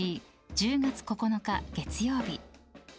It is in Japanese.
１０月９日月曜日！